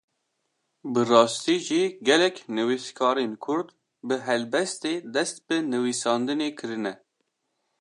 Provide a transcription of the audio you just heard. Bi rastî jî gelek nivîskarên Kurd bi helbestê dest bi nivîsandinê kirine.